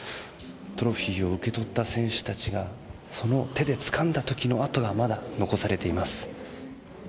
トロフィーを受け取った選手たちがその手でつかんだ時の痕がまだ残されています。